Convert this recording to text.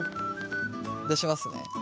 出しますね。